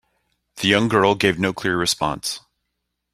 The young girl gave no clear response.